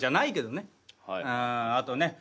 あとね